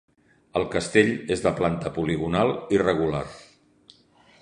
El castell és de planta poligonal irregular.